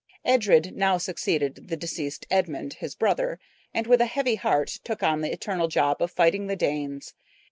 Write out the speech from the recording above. ] Edred now succeeded the deceased Edmund, his brother, and with a heavy heart took up the eternal job of fighting the Danes.